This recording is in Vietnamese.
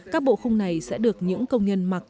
các bộ khung này sẽ được những công nhân mặc